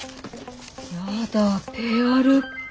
やだペアルック。